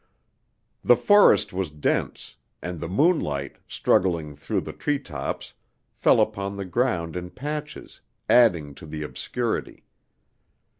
The forest was dense, and the moonlight, struggling through the tree tops, fell upon the ground in patches, adding to the obscurity.